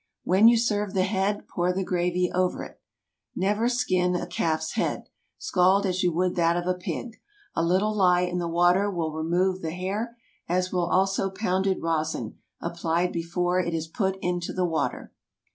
When you serve the head, pour the gravy over it. Never skin a calf's head. Scald as you would that of a pig. A little lye in the water will remove the hair—as will also pounded rosin, applied before it is put into the water.